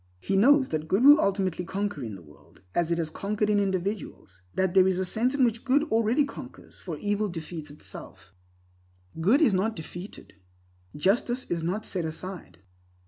He knows that good will ultimately conquer in the world, as it has conquered in individuals; that there is a sense in which good already conquers, for evil defeats itself. Good is not defeated; justice is not set aside.